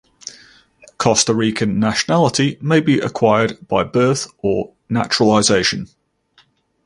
Costa Rican nationality may be acquired by birth or naturalization.